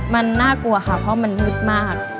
มันน่ากลัวค่ะเพราะมันมืดมาก